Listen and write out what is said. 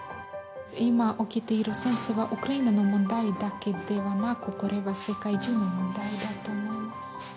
今起きている戦争は、ウクライナの問題だけではなく、これは世界中の問題だと思います。